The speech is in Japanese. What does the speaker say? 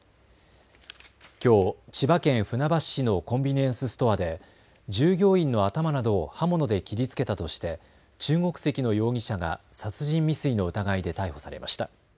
きょう千葉県船橋市のコンビニエンスストアで従業員の頭などを刃物で切りつけたとして中国籍の容疑者が殺人未遂の疑いで逮捕されました。